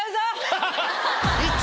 ハハハ。